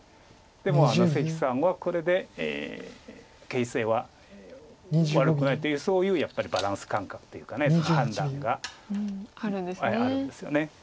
関さんはこれで形勢は悪くないというそういうやっぱりバランス感覚というか判断があるんですよね。